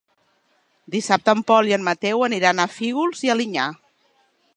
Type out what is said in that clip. Dissabte en Pol i en Mateu aniran a Fígols i Alinyà.